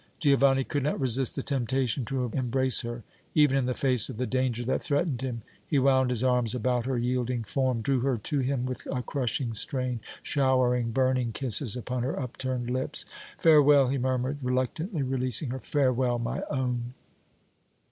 Giovanni could not resist the temptation to embrace her, even in the face of the danger that threatened him. He wound his arms about her yielding form, drew her to him with a crushing strain, showering burning kisses upon her upturned lips. "Farewell," he murmured, reluctantly releasing her, "farewell, my own!"